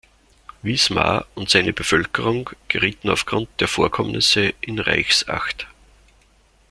Wismar und seine Bevölkerung gerieten aufgrund der Vorkommnisse in Reichsacht.